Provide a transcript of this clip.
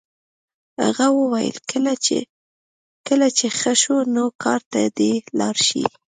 هغه وویل کله چې ښه شو نو کار ته دې لاړ شي